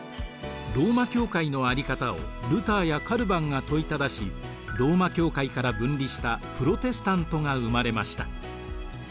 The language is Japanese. ローマ教会のあり方をルターやカルヴァンが問いただしローマ教会から分離したプロテスタントが生まれました。